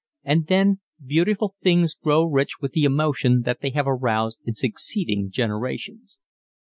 And then beautiful things grow rich with the emotion that they have aroused in succeeding generations.